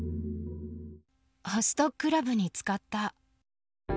ホストクラブに使った。